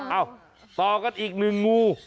ต่อกันอีกหนึ่งงู